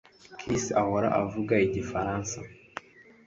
Chris ahora avuga mu gifaransa